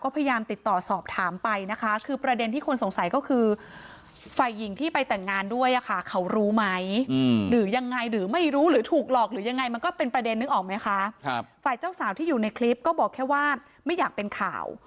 เป็นประเด็นนึงออกมั้ยคะฝ่ายเจ้าสาวที่อยู่ในคลิปก็บอกแค่ว่าไม่อยากเป็นข่าว